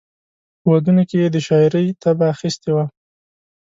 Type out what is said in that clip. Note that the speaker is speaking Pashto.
په ودونو کې یې د شاعرۍ طبع اخیستې وه.